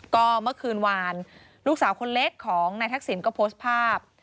ก็เมื่อคืนวานลูกสาวคนเล็กของนายทักษิณก็โพสต์ภาพ